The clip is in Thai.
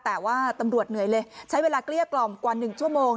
แต่ว่าตำรวจเหนื่อยเลยใช้เวลาเกลี้ยกล่อมกว่า๑ชั่วโมง